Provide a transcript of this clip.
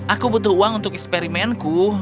aku butuh uang untuk eksperimenku